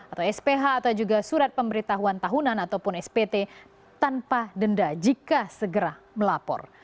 atau sph atau juga surat pemberitahuan tahunan ataupun spt tanpa denda jika segera melapor